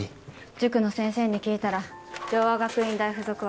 塾の先生に聞いたら「城和学院大附属は」